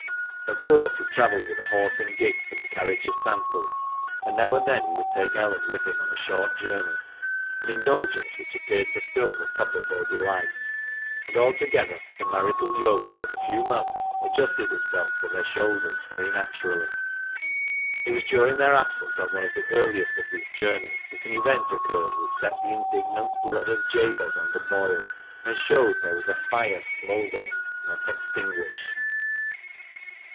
Of course he travelled with a horse and gig for the carriage of samples, and now and then he would take Ellen with him on a short journey, an indulgence which appeared to fill the cup of her delight. And altogether the marital yoke in a few months adjusted itself to their shoulders very naturally. It was during their absence on one of the earliest of these journeys that an event occurred which set the indignant blood of Jabez on the boil, and showed there was a fire smouldering, not extinguished.